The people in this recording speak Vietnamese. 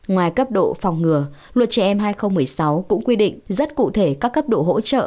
ngoài cấp độ phòng ngừa luật trẻ em hai nghìn một mươi sáu cũng quy định rất cụ thể các cấp độ hỗ trợ